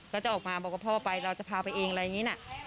ก็จะออกมาบอกว่าพ่อไปเราจะพาไปเองอะไรอย่างนี้นะ